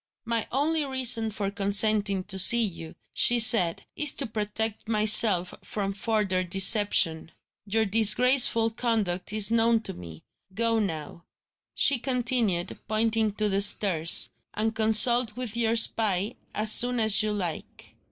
"My only reason for consenting to see you," she said, "is to protect myself from further deception. Your disgraceful conduct is known to me. Go now," she continued, pointing to the stairs, "and consult with your spy, as soon as you like."